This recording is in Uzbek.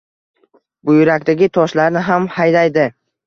Buyrakdagi toshlarni ham haydaydi.